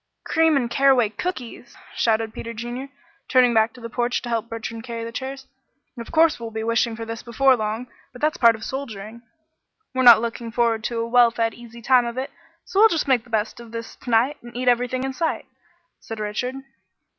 "Cream and caraway cookies!" shouted Peter Junior, turning back to the porch to help Bertrand carry the chairs. "Of course we'll be wishing for this before long, but that's part of soldiering." "We're not looking forward to a well fed, easy time of it, so we'll just make the best of this to night, and eat everything in sight," said Richard.